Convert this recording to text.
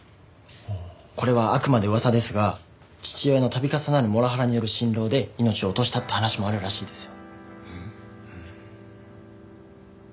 これはあくまで噂ですが父親の度重なるモラハラによる心労で命を落としたって話もあるらしいですよ。